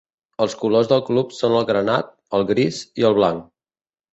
Els colors del club són el granat, el gris i el blanc.